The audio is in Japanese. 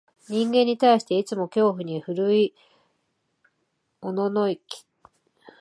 人間に対して、いつも恐怖に震いおののき、